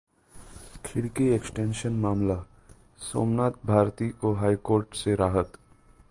खिड़की एक्सटेंशन मामलाः सोमनाथ भारती को हाईकोर्ट से राहत